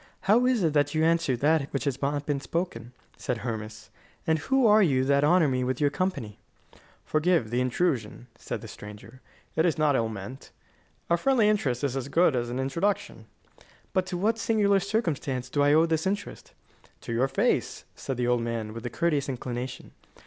"How is it that you answer that which has not been spoken?" said Hermas; "and who are you that honour me with your company?" "Forgive the intrusion," answered the stranger; "it is not ill meant. A friendly interest is as good as an introduction." "But to what singular circumstance do I owe this interest?" "To your face," said the old man, with a courteous inclination.